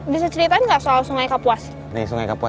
bisa ceritain nggak soal sungai kapuas